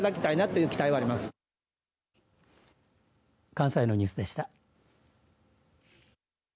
関西のニュースでした。